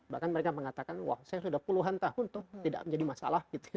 bahkan mereka mengatakan wah saya sudah puluhan tahun tuh tidak menjadi masalah